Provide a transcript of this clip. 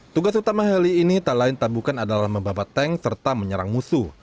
tugas utama heli ini tak lain tak bukan adalah membabat tank serta menyerang musuh